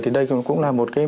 thì đây cũng là một cái